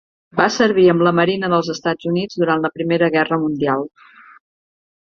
Va servir amb la Marina dels Estats Units durant la Primera Guerra Mundial.